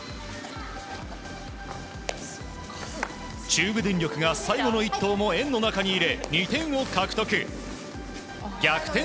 中部電力が最後の１投も円の中に入れ